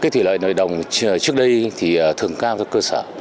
thủy lợi nội đồng trước đây thường cao cho cơ sở